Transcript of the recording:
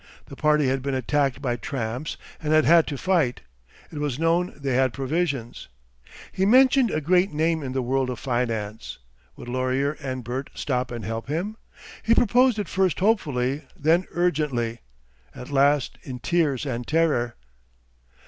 The party had been attacked by tramps and had had to fight. It was known they had provisions. He mentioned a great name in the world of finance. Would Laurier and Bert stop and help him? He proposed it first hopefully, then urgently, at last in tears and terror.